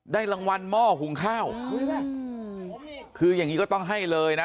รางวัลหม้อหุงข้าวคืออย่างนี้ก็ต้องให้เลยนะ